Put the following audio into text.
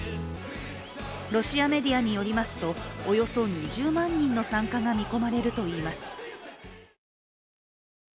ロシアメディアによりますとおよそ２０万人の参加が見込まれるといいます。